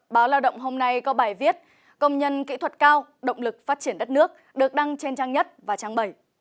báo lao động hôm nay có bài viết công nhân kỹ thuật cao động lực phát triển đất nước được đăng trên trang nhất và trang bảy